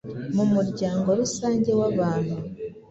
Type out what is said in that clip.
mu muryango rusange w’abantu.